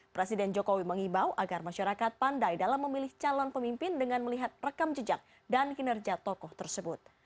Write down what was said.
presiden jokowi mengimbau agar masyarakat pandai dalam memilih calon pemimpin dengan melihat rekam jejak dan kinerja tokoh tersebut